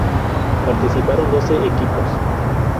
Participaron doce equipos.